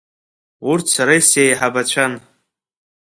Урҭ сара исеиҳабацәан.